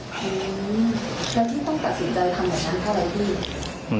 อืมแล้วที่ต้องตัดสินใจทำแบบนั้นเท่าไหร่พี่